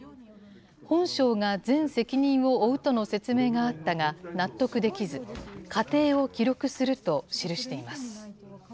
本省が全責任を負うとの説明があったが納得できず、過程を記録すると記しています。